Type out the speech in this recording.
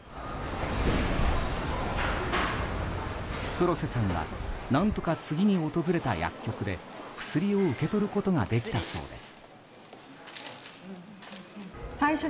黒瀬さんは何とか次に訪れた薬局で薬を受け取ることができたそうです。